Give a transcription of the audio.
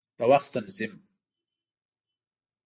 د وخت تنظیم